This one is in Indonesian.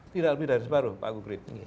tidak lebih dari separuh pak gukrit